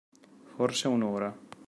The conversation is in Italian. Forse un’ora.